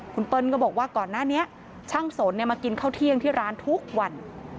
คุณเปิ้ลก็บอกว่าก่อนหน้านี้ช่างสนมากินข้าวเที่ยงที่ร้านทุกวัน